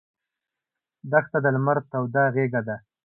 دښته د لمر توده غېږه ده.